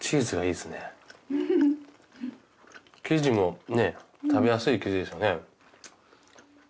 生地もね食べやすい生地ですね。